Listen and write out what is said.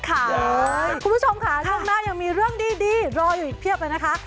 คุณผู้ชมค่ะช่วงหน้ายังมีเรื่องดีรออยู่อีกเพียบเลยนะคะ